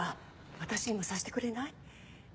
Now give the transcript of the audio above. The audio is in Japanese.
私にもさせてくれない？